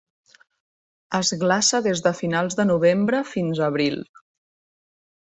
Es glaça des de finals de novembre fins a abril.